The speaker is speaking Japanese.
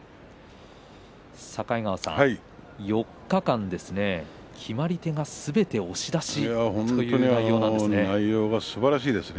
境川さん、４日間決まり手がすべて押し出しという内容なんですね。